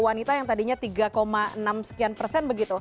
wanita yang tadinya tiga enam sekian persen begitu